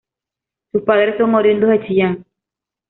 Sus padres son oriundos de Chillán.